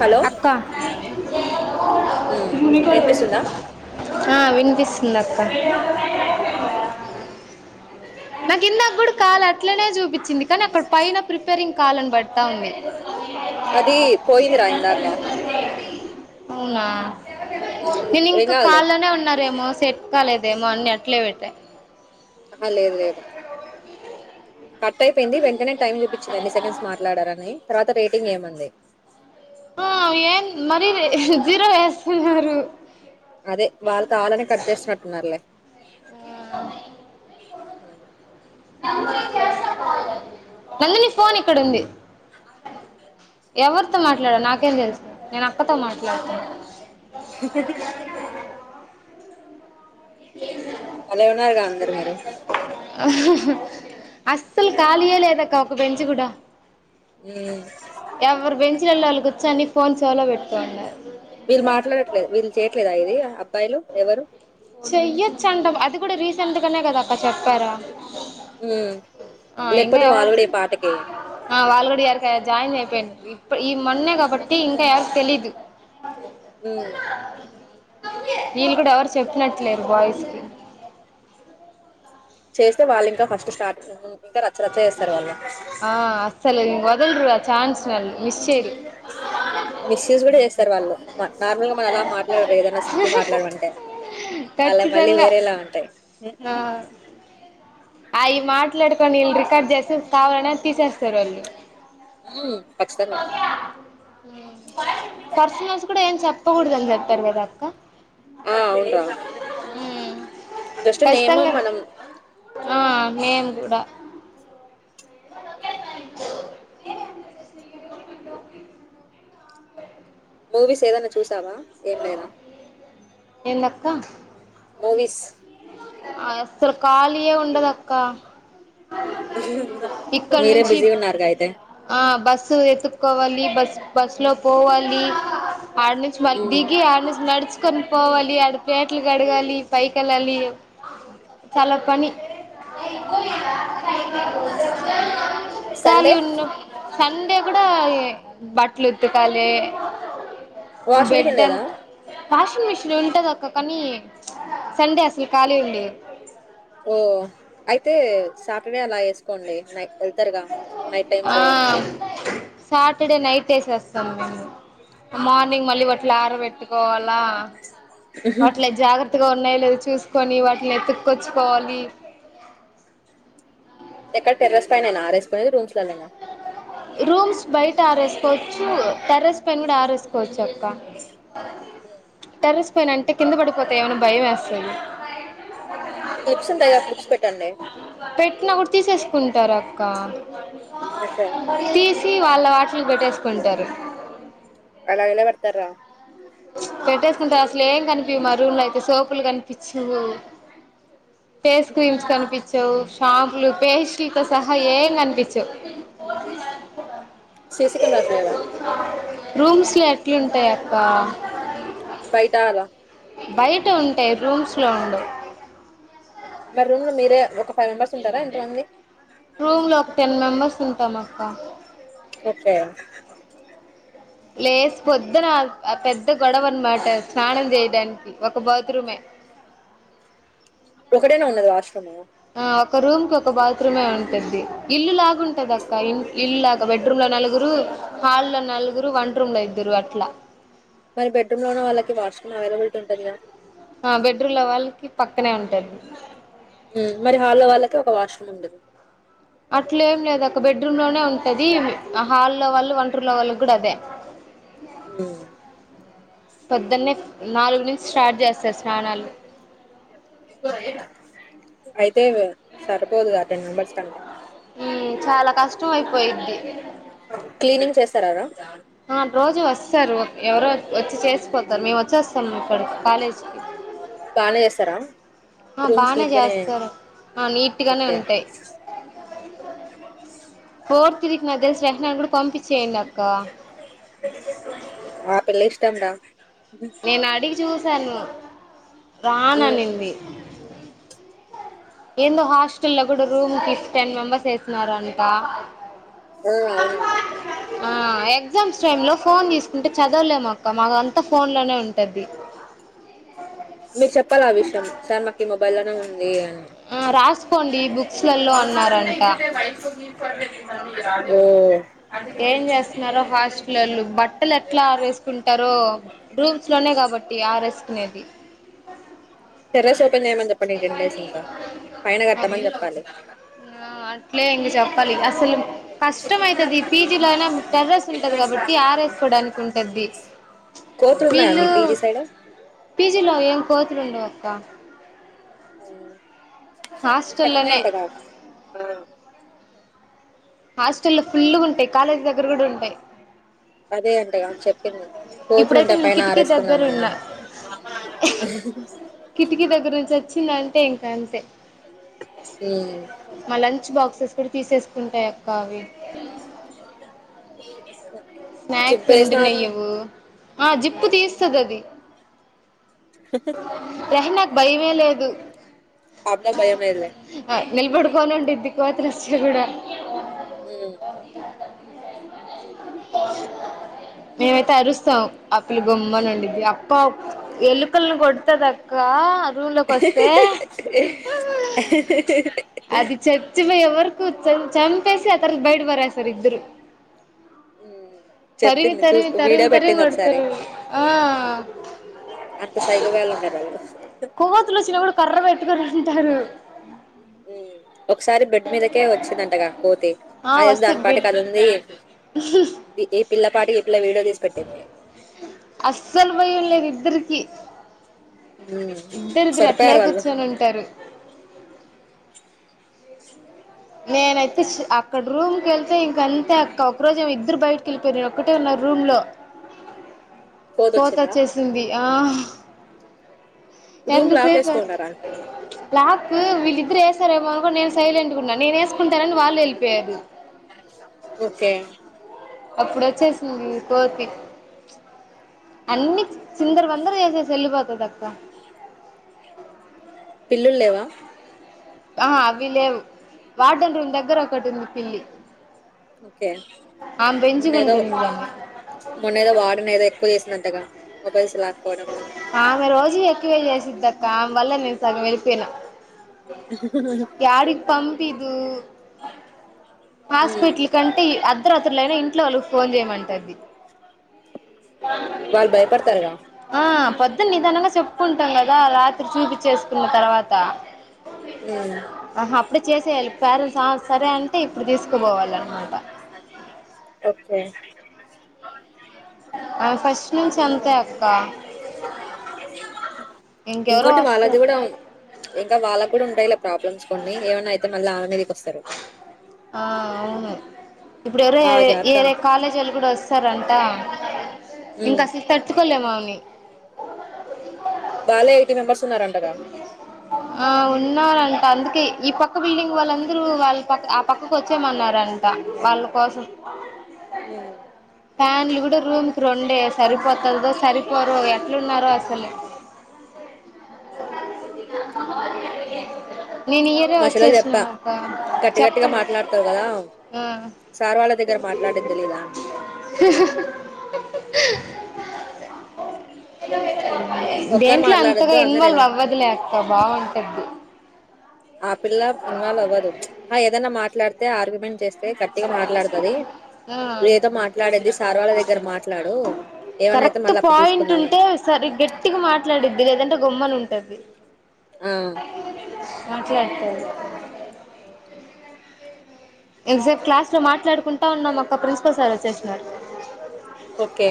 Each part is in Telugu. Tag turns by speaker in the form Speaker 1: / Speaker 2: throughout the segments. Speaker 1: హలో
Speaker 2: అక్క
Speaker 1: ఉమ్ వినిపిస్తుందా
Speaker 2: హా వినిపిస్తుంది అక్క
Speaker 1: హ్
Speaker 2: మాకు ఇందక కూడా కాల్ అట్లనే చూపించింది కానీ అక్కడ పైన ప్రిపేరింగ్ కాలను బడతా ఉంది
Speaker 1: అది పోయిందిరా ఇందాకా
Speaker 2: అవునా నేను
Speaker 1: ఏం
Speaker 2: ఇంకా
Speaker 1: కాదులే
Speaker 2: కాల్లోనే ఉన్నారేమో సేట్ కాలేదేమో అన్నీ అట్లే పెట్టా
Speaker 1: ఆహా లేదు లేదు కట్ అయిపోయింది. వెంటనే టైం చూపించింది. ఏన్ని సెకండ్స్ మాట్లాడారని తర్వాత రేప్ టికి ఏముంది
Speaker 2: ఆ ఏం మరి ఇ హ జీరో వేస్తున్నారు.
Speaker 1: అదె వాళ్ళతో ఆళ్ళనె కట్ చేసినట్టున్నారులే [unintelligible]
Speaker 2: అ
Speaker 1: అ
Speaker 2: నందిని ఫోన్ ఇక్కడుంది ఎవరితో మాట్లాడానో నాకేం తెలుసు నేను అక్కతో మాట్లాడుతునా
Speaker 1: [unintelligible] భలే ఉన్నార్ర అందరు మీరు
Speaker 2: హ హ హ అస్సలు ఖాళీయే లేదక్క ఒక బెంచ్ కూడా
Speaker 1: ఈ మ్
Speaker 2: ఎవరు బెంచిలల్లో వాళ్ళ కూర్చొని ఫోన్ చెవులో పెట్టుకోవుండారు
Speaker 1: వీళ్ళు మాట్లాడట్లేదు వీళ్ళు చేయట్లేద ఇది అబ్బాయిలు ఎవరు
Speaker 2: చెయ్యొచ్చంట అది కూడా రీసెంట్ గానే కదక్క చెప్పారు
Speaker 1: ఉం లేకపోతే
Speaker 2: ఎవరు
Speaker 1: వాళ్ళగూడే పాటకి
Speaker 2: ఆ వాళ్ళు కూడా ఈ యాడి కాడ జాయిన్ జేపి పె [unintelligible] ఈ మన్నే
Speaker 1: ఉమ్
Speaker 2: కాబట్టి ఇంక [unintelligible] తెలిదు
Speaker 1: హుమ్
Speaker 2: వీళ్ళు కూడ ఎవరు చెప్పినట్లేరు బాయ్స్ కి
Speaker 1: చేస్తే వాళ్ళింక ఫస్ట్ స్టార్ట్ మ్ ఇంకా రార్
Speaker 2: ఆ అస్సలు ఇన్వాల్ రో [unintelligible] ఆఛాన్స్నల్ మిస్ చేయరి
Speaker 1: నా నార్మల్గా అలా మాట్లాడరేదన్నా సుత్తి మాట్లాడమంటే వాళ్ళ మళ్ళీ
Speaker 2: ఖచ్చితంగా
Speaker 1: వేరేలా ఉంటాయి [unintelligible]
Speaker 2: అయి మాట్లాడుకోండి ఈళ్ రికార్డ్ చేసి కావాలనే తీసేస్తారు వాళ్ళు
Speaker 1: ఉమ్ ఖచ్చితంగా
Speaker 2: పర్సనల్స్ కూడా ఏం చెప్పకూడదని చెప్
Speaker 1: ఆ అవున్రా జస్ట్ నేమ్
Speaker 2: ఖచ్చితంగా
Speaker 1: మనం
Speaker 2: ఆ మే ఇది గూడ [unintelligible]
Speaker 1: మూవీస్ ఏదన్న చూస్ కదా ఏం లేదా
Speaker 2: ఏందక్క
Speaker 1: మూవీస్
Speaker 2: ఆ అస్సలు ఖాళీయే ఉండదక్క
Speaker 1: మీరే బిజీ ఉన్నారుగా అయితే
Speaker 2: స్ ఎతుక్కోవాలి బస్ బస్సు లో పోవాలి ఆడ నుంచి మళ్ళీ
Speaker 1: ఉమ్
Speaker 2: దిగి ఆడ నుంచి నడిచి కొన్ పోవాలి ఆడ ప్లేట్లు కడగాలి పైకెళ్లాలి చాల పని ఖాళీ
Speaker 1: సండే
Speaker 2: ఉన్నప్ సండే కూడా బట్ట్ బట్టలు ఉతకాలే
Speaker 1: వాషింగ్ మిషిన్ లేదా
Speaker 2: వాషింగ్ మిషిన్ ఉంటది అక్క కానీ సండే అసలు ఖాళీ ఉండే
Speaker 1: ఓ అయితే సాటర్డే అలా వేసుకోండి నై వెళ్తారుగా నైట్ టైమ్
Speaker 2: ఆ
Speaker 1: లో అలా
Speaker 2: సాటర్డే నైట్ వేసేస్తాం మేము
Speaker 1: ఉమ్.
Speaker 2: మార్నింగ్ మళ్ళీ వటి ప్లర్ పెట్టుకోవాలా వాట్లే జాగ్రత్తగా ఉన్నాయలేదో చూసుకొని వాటిని ఎతుక్కొచ్చుకోవాలి.
Speaker 1: ఎక్కడ టెర్రస్ పైనేనా ఆరెస్ నేది రూమ్స్ లల్లన
Speaker 2: రూమ్స్ బయట ఆరేసుకోవచ్చు టెర్రెస్ పైన కూడా ఆరేసుకోవచ్చు అక్క
Speaker 1: ఉమ్
Speaker 2: టెర్రస్పైయినంటే కింద పడిపోతా ఏమో అని భయం వేస్తా
Speaker 1: క్లిప్స్ ఉంటాయి కదా క్లిప్స్ పెట్టండి
Speaker 2: పెట్ పెట్నా కూడా తీసేసుకుంటారు అక్క
Speaker 1: ఓకే
Speaker 2: తీసి వాళ్ళ వాటిలకు పెట్టేసుకుంటారు
Speaker 1: అలా ఎలా పెడతారు రా
Speaker 2: పెట్టేసుకుంటారు అసలు ఏం కనిపివు మా రూమ్ లో అయితే సోపులు కనిపించవు ఫేస్ క్రీమ్స్ కనిపించవు. షాంపులు పేస్ట్రీలతో సహా ఏం కనిపించవు.
Speaker 1: సిసి కెమెరాస్ లేవా
Speaker 2: రూమ్స్లో ఎట్లుంటాయాక్క
Speaker 1: ఫైట ఆర
Speaker 2: బయట ఉంటాయి రూమ్స్లో ఉండవు.
Speaker 1: మరి రూమ్ లో మీరే ఒక ఫైవ్ మెంబెర్స్ ఉంటారా ఎంతమంది
Speaker 2: రూమ్ లో ఒక టెన్ మెంబర్స్ ఉంటాం అక్క
Speaker 1: ఓకే
Speaker 2: లేస్ పొద్దున ఆ పెద్ద గొడవ అన్నమాట స్నానం చేయడానికి ఒక బాత్రూమే
Speaker 1: ఒకడేన ఉన్నది వాశ్రూము
Speaker 2: ఆ ఒక రూమ్ కి ఒక బాత్రూమే ఉంటంది ఇల్లు లాగుంటది అక్క ఇ ఇల్లు లాగా బెడ్రూమ్ లో నలుగురు హాల్ లో నలుగురు వంట్ రూమ్ లో ఇద్దరు అట్లా
Speaker 1: మరి బెడ్రూమ్ లో ఉన్న వాళ్ళకి వాష్రూమ్ అవైలబిలిటీ ఉంటదిగా
Speaker 2: ఆ బెడ్రూమ్ లో వాళ్ళకి పక్కనే ఉంటది
Speaker 1: మ్ మరి హాల్లో వాళ్ళకి ఒక వాష్రూమ్ ఉండదు
Speaker 2: అట్ల ఏం లేదు ఒక బెడ్రూమ్ లోనే ఉంటది హాల్లో వాళ్ళు వంట రూం లో వాళ్ళకూడ అదే
Speaker 1: మ్
Speaker 2: పొద్దున్నే నాలుగు నుంచి స్టార్ట్ చేస్తారు స్నానాలు
Speaker 1: అయితే సరిపోదు గా టెన్ నెంబర్స్ కంటే
Speaker 2: ఉ చాలా కష్టం అయిపోయిద్ది
Speaker 1: క్లీనింగ్ చేస్తారా రా
Speaker 2: ఆ రోజు వస్తారు ఎవరో వచ్చి చేసిపోతారు మేము వచ్చేస్తాము ఇక్కడకి కాలేజీకి
Speaker 1: బానే చేస్తారా
Speaker 2: ఆ
Speaker 1: రూమ్స్
Speaker 2: బానే
Speaker 1: నీట్ గానే
Speaker 2: చేస్తారు ఆ నీట్ గానె
Speaker 1: ఓకే
Speaker 2: ఉంటాయి ఫోర్ త్రీ కి నా తెలిసి రాసిన కూడా పంపించేయండి అక్క
Speaker 1: భలె ఇష్టంరా
Speaker 2: నేను అడిగి చూస్ స్తను
Speaker 1: ఉమ్,
Speaker 2: రాననింది ఏందో హాస్టల్ లో కూడా రూమ్ కి టెన్ మెంబెర్స్ ఏస్తున్నారంట
Speaker 1: ఆ అవునంట
Speaker 2: ఆ ఎగ్జామ్స్ టైమ్ లో ఫోన్ తీసుకుంటె చదవలేము అక్క మాకు అంతా ఫోన్ లోనె ఉంటద్ది
Speaker 1: మీరు చెప్పాలి ఆ విషయం సార్ మాకు ఈ మొబైల్ లోనే ఉంది అని
Speaker 2: ఆ రాసుకోండి బుక్స్లలో
Speaker 1: పదహారు అంటె
Speaker 2: అన్నారంట
Speaker 1: ఇదేది వైఫు గిఫు అన్ని ముందర ఓ
Speaker 2: ఏం చేస్తున్నారో హాస్టల్ళ్ బట్టలు ఎట్లా ఆరేసుకుంటారో రూమ్స్ లోనే కాబట్టి ఆరేసుకునేది
Speaker 1: టెర్రస్ కిందేయమని చెప్పండి ఈ టెన్డేస్ ఇంకా పైన కట్టమని చెప్పండి
Speaker 2: ఆ అట్లే ఇంగ చెప్పాలి అసలు కష్టం అయితది పీజీ లో అయినా టెర్రస్ ఉంటది కాబట్టి ఆరేసుకోడానికి ఉంటది
Speaker 1: కోతులు ఉన్నాయా మీ
Speaker 2: వీళ్ళు
Speaker 1: పీజీ సైడ్
Speaker 2: పీజిలో ఏం కో ఉండవ్ అక్క
Speaker 1: అ ఇక్కడైనే
Speaker 2: హాస్టల్లోనే
Speaker 1: ఉండద ఆ
Speaker 2: హాస్టల్లు ఫుల్లుగుంటాయి కాలేజీ దగ్గర కూడ ఉంటాయి
Speaker 1: అదే అంటగా చెప్పింది కోతులు
Speaker 2: ఇప్పుడైతే
Speaker 1: ఉంటయి
Speaker 2: నేను
Speaker 1: పైన
Speaker 2: కిటికీ దగ్గర
Speaker 1: ఆరేసుకుందామన్నా
Speaker 2: ఉన్నా కిటికీ దగ్గర నుంచి వచ్చిందంటే ఇంకా అంతే మ లంచ్ బాక్స్ తాస్కుడు తీసేసుకుంటాయి అక్క అవి
Speaker 1: మికి సుదం
Speaker 2: స్నాక్స్ ఉండి నెయ్యవు ఆ జిప్పు
Speaker 1: మ్
Speaker 2: తీస్తది అది రెహన్ నాకు భయమే లేదు
Speaker 1: అప్పుడ భయమే ఇలే
Speaker 2: నిలబడుకొని ఉండిది కోతులు వచ్చా కూడా
Speaker 1: ఉ
Speaker 2: మేమైతే అరుస్తాం ఆ పిల్ల గొమ్మనుండిది అప్ప ఎలుకలను కొడతదక్క అది చచ్చిపోయే వరకు చన్ చంపేసి ఆ తర్వాత బయట పడేస్తారు ఇద్దరు
Speaker 1: ఉ
Speaker 2: తరివి తరివి తరివి తరివి కొడతారు ఆ
Speaker 1: అంత సైకోగాళ్ళు ఉన్నారు వాళ్ళు
Speaker 2: కొవ్వతు లోచ్చినప్పుడు కర్ర పెట్టుకుని ఉంటారు
Speaker 1: వే ఒకసారి బెడ్ మీదకే వచ్చిందంటగా కోతి
Speaker 2: ఆ
Speaker 1: అదేదో
Speaker 2: వస్తే
Speaker 1: దాని పాటు
Speaker 2: బెడ్
Speaker 1: కాదుంది ఇది పిల్ల పాటి గీ
Speaker 2: అస్సలు భయంలేదు ఇద్దరికీ
Speaker 1: మ్
Speaker 2: ఇద్దరిద్దరూ అట్లే
Speaker 1: సరిపోయారు వాళ్ళు
Speaker 2: కూర్చొని ఉంటారు నేనైతే సు అక్కడ రూమ్ కేళ్తే ఇంకంతే అక్క ఒక్క రోజు ఏమో ఇద్దరు బైటి కేళ్ళిపోయరు నేనొక్కటే ఉన్న రూమ్లో
Speaker 1: కోతి వచ్చిందా
Speaker 2: కోతచ్చేసింది ఆ
Speaker 1: రూమ్ లాక్
Speaker 2: ఎంతసేపు
Speaker 1: ఏసుకొన్నారా టు
Speaker 2: లాక్ వీళ్ళిద్దరు వేసారేమో అనుకో నేను సైలెంట్ ఉన్న నేను వేసుకుంటానని వాళ్ళు వెళ్ళిపోయారు
Speaker 1: ఓకే
Speaker 2: అప్పుడు వచ్చేసింది కోతి అన్ని సిందర వందర చేసేసి వెళ్ళిపోతదక్క
Speaker 1: పిల్లులు లేవా
Speaker 2: ఆ అవి లేవు వార్డెన్ రూమ్ దగ్గర ఒకటి ఉంది పిల్లి
Speaker 1: ఓకే
Speaker 2: ఆమె
Speaker 1: మొన్న ఏదో
Speaker 2: పెంచుకుంటుంది దాన్ని
Speaker 1: మొన్న ఏదో వార్డెన్ ఏదో ఎక్కువ చేసిందంటగా మొబైల్స్ లా కొడము
Speaker 2: అన్ని ఎక్కువే చేసిద్దక్కా అమే వల్ల నేను సగ అయి పేనా యారీ ఇప్పం పిండు
Speaker 1: ఉమ్
Speaker 2: హాస్పిటల్ కంటే అ అర్ధరాత్రులయినా ఇంట్లో వాళ్ళకి ఫోన్ చేయమంటది
Speaker 1: వాళ్ళు భయపడతారుగా
Speaker 2: ఆ పొద్దున్న నిదానంగా చెప్ ప్పుకుంటాం కదా రాత్రి చూపి చేేసుకున్న తర్వాత
Speaker 1: మ్మ్
Speaker 2: ఆహా అప్పుడే చేసేయాలి పేరెంట్స్ ఆ సరే అంటే ఇప్పుడు తీసుకుపోవాల అన్నమాట
Speaker 1: అ
Speaker 2: అ ఫస్ ను నుంచి అంతే అక్క ఇంకెవరో
Speaker 1: ఇంకోటి వాళ్ళది కూడా
Speaker 2: వస్తారు
Speaker 1: ఇంకా వాళ్ళకి కూడా ఉంటాయిలే ప్రాబ్లమ్స్ కొన్నీ ఏమన్నా అయితే మళ్ళీ ఆళ్ళ మీదకి వస్తారు.
Speaker 2: ఆ అవును ఇప్పుడు ఎవరో
Speaker 1: ఆ
Speaker 2: ఏరే
Speaker 1: జాగ్రత్త
Speaker 2: ఏరే కాలేజీ వాళ్ళు కూడా వస్తారంట. ఇంకా
Speaker 1: మ్మ్
Speaker 2: అసలు తట్టుకోలేము న్ని
Speaker 1: వల్లే యైటి మెంబర్స్ ఉన్న రంటాగా
Speaker 2: ఆ ఉన్నారంట, అందుకే ఈ పక్క బిల్డింగ్ వాళ్ళందరూ వాళ్ళ పక్క ఆ పక్కకు వచ్చేయమన్నారంట వాళ్ళ కోసం
Speaker 1: ఉమ్
Speaker 2: ఫ్యాన్లు కూడా రూమ్ కి రొండే సరిపోతుందో సరిపోరో ఎట్లున్నారో అసలు నేను ఇయరే
Speaker 1: మా చెల్లెలు చెప్పా
Speaker 2: వచ్చేసినాను అక్క,
Speaker 1: గట్టి గట్టిగా
Speaker 2: చెప్పండి
Speaker 1: మాట్లాడతావు కదా సార్ వాళ్ళ దగ్గర మాట్లాడేది తెలీదా అని ఒక్కరు
Speaker 2: దేంట్లో అం
Speaker 1: మాట్లాడొద్దు అందరు
Speaker 2: ఇన్వాల్వ్
Speaker 1: ఎళ్ళ
Speaker 2: అవ్వదులే అక్క బాగుంటది
Speaker 1: ఆ పిల్లా ఇన్వాల్వ్ అవ్వదు, ఆహా ఏదన్నాట్ మాట్ మాట్లాతే ఆర్గ్యమెంట్ చేస్
Speaker 2: ఆ
Speaker 1: ఏదో మాట్లాడేది సార్ వాళ్ళ దగ్గర మాట్లాడు ఏమన్నా అయితే
Speaker 2: కరెక్ట్
Speaker 1: మళ్ళీ అప్పుడు
Speaker 2: పాయింట్
Speaker 1: చూసుకుందామని
Speaker 2: ఉంటే సరి గట్టిగా మాట్లాడుద్ది లేదంటే గొమ్మన ఉంటది
Speaker 1: ఆ
Speaker 2: చెత్తది ఎంత సేపు క్లాస్ లో మాట్లాడుకుంటా ఉన్నాము అక్క ప్రిన్సిపల్ సార్ వచ్చేసినారు
Speaker 1: ఓకే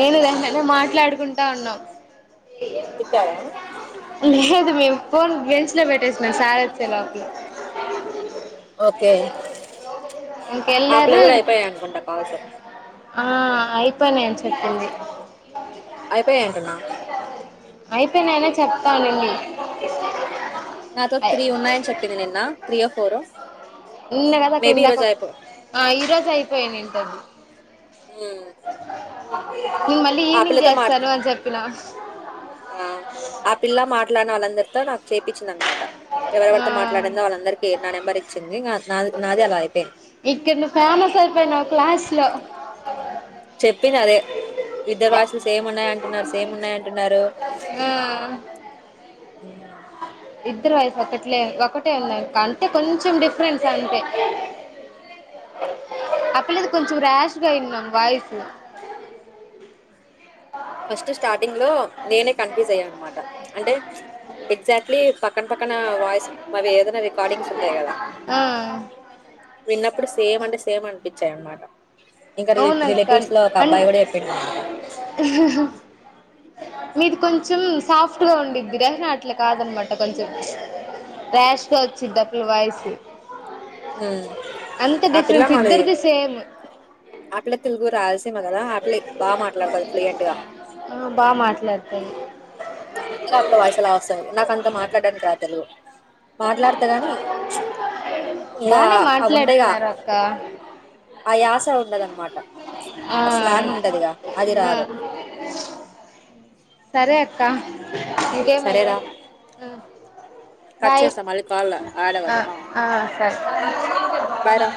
Speaker 2: నేను వెంటనే మాట్లాడుకుం తనో
Speaker 1: తిట్టారా
Speaker 2: లేదు మేము ఫోన్ బెంచ్ లో పెట్టేసినం సారోచ్చే లోపల
Speaker 1: ఓకే ఆపిల్లవి
Speaker 2: ఇంకెళ్ళారు
Speaker 1: కూడా అయిపోయా అనుకుంటా కాల్సు
Speaker 2: ఆ అయిపోనాయ్ అని చెప్పింది
Speaker 1: అయిపోయా అంటనా
Speaker 2: అయితే నేనే చెప్తా అనింది
Speaker 1: నాతో త్రీ ఉన్నాయని చెప్పింది నిన్న త్రి యో ఫోరో
Speaker 2: ఇన్న కద
Speaker 1: మేబి
Speaker 2: ఇందాక
Speaker 1: ఈరోజు అయిపో
Speaker 2: ఈ రోజు అయిపోయినింటది
Speaker 1: హ్మ్
Speaker 2: అ నేను మళ్ళీ ఈవినింగ్ చేస్తాను అని చెప్పినా
Speaker 1: ఆ ఆ పిల్ల మాట్లానోళ్ళందరితో నా ఇచ్చింది అన్నమాట
Speaker 2: ఆ
Speaker 1: ఎవరెవరితో మాట్లాడిందో వాళ్ళందరికి నా నెంబర్ ఇచ్చింది నాది నాదే అలా అయిపెయ్
Speaker 2: ఇక్కడ నువ్వు ఫేమస్ అయిపోయినావు క్లాస్ లో
Speaker 1: చెప్పింది అదే ఇద్దరు భాషలు సేమ్ ఉన్నాయి అంటున్నారు సేమ్ ఉన్నాయి అంటున్నారు
Speaker 2: ఆ ఇద్దరు వయసు ఒకట్లే ఒకటే ఉన్నాయి అంటే కొంచెం డిఫరెన్స్ అంతే ఆ ఆ పిల్లది కొంచెం ర్యాష్ గా అయ్యింది వాయిసు
Speaker 1: ఫస్ట్ స్టార్టింగ్ లో నేనే కన్ఫ్యూజ్ అయ్యాను అనమాట అంటే ఎగ్జాక్ట్ ఈ పక్కన పక్కన వాయిస్ అవి ఏదనా రికార్డింగ్స్ ఉంటాయి కదా
Speaker 2: ఆ
Speaker 1: విన్నప్పుడు సేమ్ అంటే సేమ్ అ పిచ్చయ్ అనమాట ఇంకా
Speaker 2: అవునక్క
Speaker 1: రిలేటివ్స్ లో ఒక
Speaker 2: అన్
Speaker 1: అబ్బాయి కూడా చెప్పిండు అనమాట
Speaker 2: మీది కొంచెం సాఫ్ట్ గా ఉండిద్దిర అనా అట్లా కాదనమాట కొంచెం రాష్గా వచ్చిద్ది ఆ పిల్ల వాయిసు అంత
Speaker 1: ఆ పిల్ల
Speaker 2: డిఫరెన్స్
Speaker 1: మనది
Speaker 2: ఇద్దరిది సేము
Speaker 1: ఆ పిల్ల తెలుగు రా సీమ కదా ఆ పిల్లే బాగా మాట్లాడతది ఫ్లూయెంట్ గా
Speaker 2: ఆ బాగా మాట్లాడుతది
Speaker 1: అందుకే ఆ పిల్ల వాయిస్ అలా వస్తది నాకంత మాట్లాడ్డానికి రాదు తెలుగు మాట్లాడుతా గాని ఇంగా
Speaker 2: బానే
Speaker 1: అవి ఉంటయి గా
Speaker 2: మాట్లాడుతున్నారు అక్క
Speaker 1: ఆ యాస ఉండదు అనమాట ఆ స్లాంగ్ ఉంటదిగా అది
Speaker 2: ఆ
Speaker 1: రాదు
Speaker 2: సరే అక్కా ఇంకేమీ అయితే
Speaker 1: సరేరా కట్
Speaker 2: బాయ్
Speaker 1: చేస్తా మళ్ళీ కాల్ యాడ్
Speaker 2: ఆ
Speaker 1: అవ్వదు
Speaker 2: ఆ సరే
Speaker 1: బాయ్ రా